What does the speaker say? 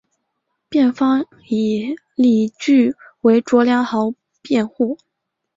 辩方以为理据为卓良豪辩护。